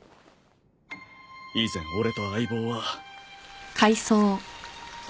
以前俺と相棒は。